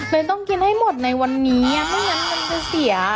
เป็นต้องกินให้หมดในวันนี้ไม่งั้นมันจะเสีย